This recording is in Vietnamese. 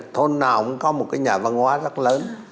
thôn nào cũng có một cái nhà văn hóa rất lớn